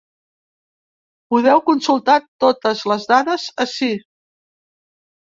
Podeu consultar totes les dades ací.